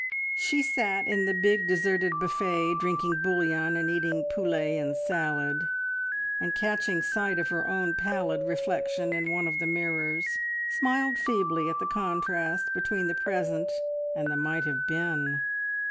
She sat in the big deserted buffet, drinking bouillon and eating poulet and salad; and catching sight of her own pallid reflection in one of the mirrors, smiled feebly at the contrast between the present and the "might have been"!